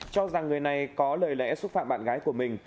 cho rằng người này có lời lẽ xúc phạm bạn gái của mình